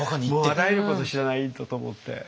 もうあらゆること知らないとと思って。